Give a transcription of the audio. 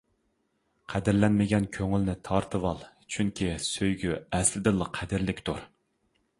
قەدىرلەنمىگەن كۆڭۈلنى تارتىۋال چۈنكى سۆيگۈ ئەسلىدىنلا قەدىرلىكتۇر.